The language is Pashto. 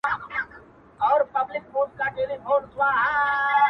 • د ساز په روح کي مي نسه د چا په سونډو وکړه.